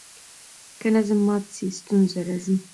که نظم مات سي ستونزه راځي.